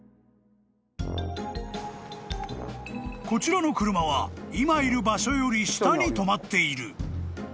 ［こちらの車は今いる場所より下に止まっている］